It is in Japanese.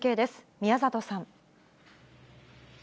宮里さん。